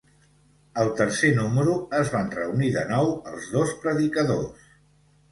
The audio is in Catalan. Al tercer número, es van reunir de nou els dos predicadors.